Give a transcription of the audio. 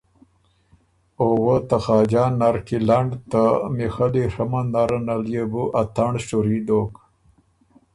او وۀ ته خاجان نر کی لنډ ته میخلّی ڒمند نره ن ليې اتنړ شُوري دوک۔